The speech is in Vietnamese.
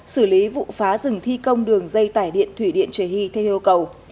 xử lý vụ phá rừng thi công đường dây tải điện thủy điện chế hy theo yêu cầu